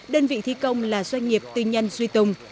đơn vị thi công là doanh nghiệp tư nhân duy tùng